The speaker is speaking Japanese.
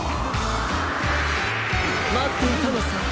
まっていたのさ